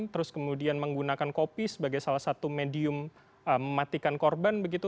terus kemudian menggunakan kopi sebagai salah satu medium mematikan korban begitu